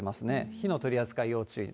火の取り扱い、要注意。